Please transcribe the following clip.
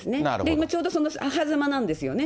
今、ちょうどそのはざまなんですよね。